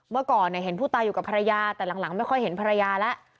เมื่อก่อนเห็นผู้ตายอยู่กับภรรยาแต่หลังไม่ค่อยเห็นภรรยาแล้ว